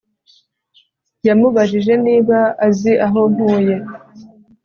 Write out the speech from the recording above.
yamubajije niba azi aho ntuye